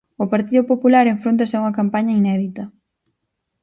O Partido Popular enfróntanse a unha campaña inédita.